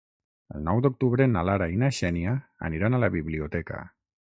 El nou d'octubre na Lara i na Xènia aniran a la biblioteca.